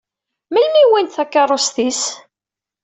Melmi i wwint takeṛṛust-is?